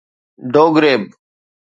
ڊوگريب